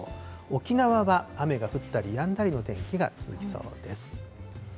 沖縄は雨が降ったりやんだりの天気が続きそうです。